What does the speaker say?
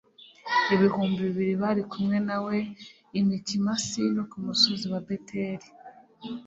ibihumbi bibiri bari kumwe na we i mikimasi no ku musozi wa beteli